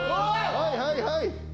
はいはいはい！